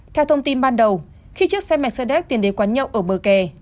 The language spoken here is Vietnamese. theo thông tin ban đầu khi chiếc xe mercedes tiền đến quán nhậu ở bờ kè